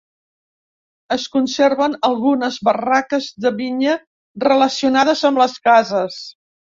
Es conserven algunes barraques de vinya relacionades amb les cases.